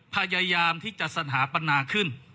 พยายามที่จะสถาปนาขึ้น